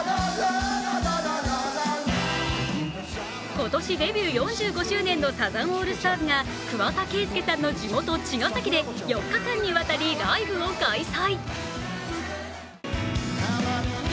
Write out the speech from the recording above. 今年デビュー４５周年のサザンオールスターズが桑田佳祐さんの地元・茅ヶ崎で４日間にわたりライブを開催。